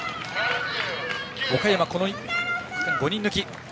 岡山、この区間は５人抜き。